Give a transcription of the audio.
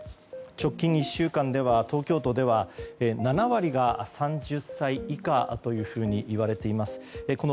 直近１週間では東京都では７割が３０歳以下というふうにいわれています。